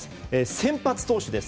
先発投手です。